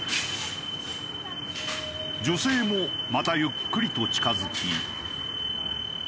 女性もまたゆっくりと近付き。